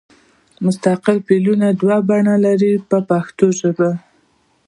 مستقبل فعل دوه بڼې لري په پښتو ژبه.